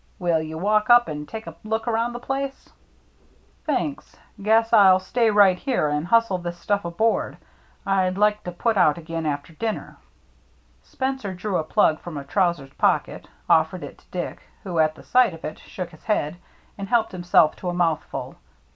Will you walk up and take a look around the place ?" "Thanks — guess I'll stay right here and hustle this stuff aboard. I'd like to put out again after dinner." Spencer drew a plug from a trousers pocket, offered it to Dick, who at the sight of it shook his head, and helped himself to a mouthful.